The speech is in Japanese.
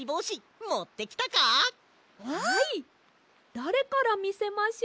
だれからみせましょう？